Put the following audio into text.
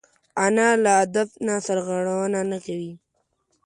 انا له ادب نه سرغړونه نه کوي